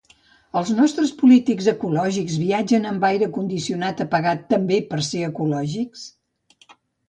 Els nostres polítics ecològics viatgen amb aire condicionat apagat també per ser ecològics?